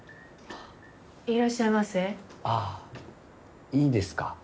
ああいいですか？